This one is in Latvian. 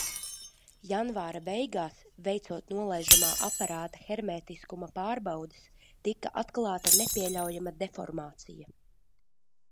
Janvāra beigās, veicot nolaižamā aparāta hermētiskuma pārbaudes, tika atklāta nepieļaujama deformācija.